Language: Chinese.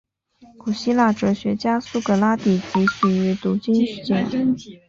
古希腊哲学家苏格拉底即死于毒芹碱。